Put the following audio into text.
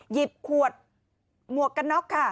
หยิบขวดหมวกกันน็อกค่ะ